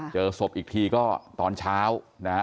เจอศพอีกทีก็ตอนเช้านะฮะ